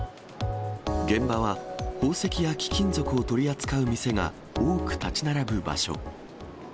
現場は宝石や貴金属を取り扱う店が多く建ち並ぶ場所。